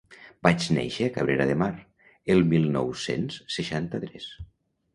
Vaig néixer a Cabrera de Mar, el mil nou-cents seixanta-tres.